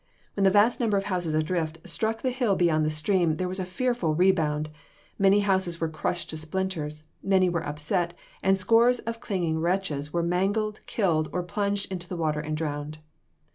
When the vast number of houses adrift struck the hill beyond the stream there was a fearful rebound; many houses were crushed to splinters, many were upset, and scores of clinging wretches were mangled, killed, or plunged into the water and drowned.